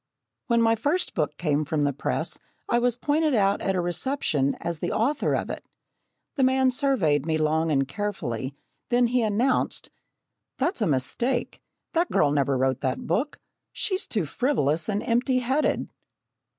When my first book came from the press I was pointed out at a reception as the author of it. The man surveyed me long and carefully, then he announced: "That's a mistake. That girl never wrote that book. She's too frivolous and empty headed!"